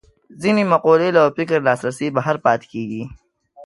ځینې مقولې له فکر لاسرسي بهر پاتې کېږي